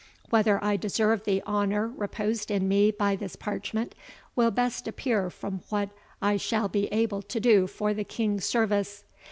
Whether I deserve the honour reposed in me by this parchment will best appear from what I shall be able to do for the King's service.